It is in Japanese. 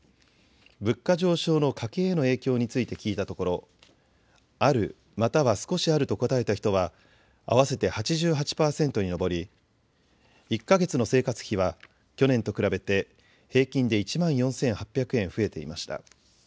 物価上昇の家計への影響について聞いたところあるまたは少しあると答えた人は合わせて８８％に上り１か月の生活費は去年と比べて平均で１万４８００円増えていました。